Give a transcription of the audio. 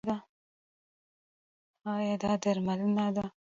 ایا دا درملنه ده؟